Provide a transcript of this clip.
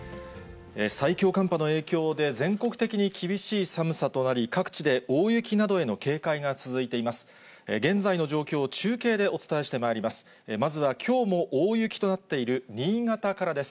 最強寒波の影響で、全国的に厳しい寒さとなり、各地で大雪などへの警戒が続いています。